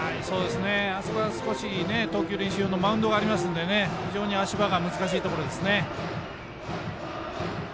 あそこは少し投球練習のマウンドがあるので非常に足場が難しいところですね。